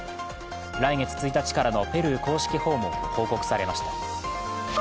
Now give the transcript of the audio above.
来月１日からのペルー公式訪問を報告されました。